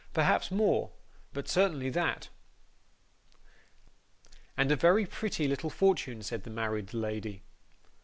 Perhaps more, but certainly that.' 'And a very pretty little fortune,' said the married lady.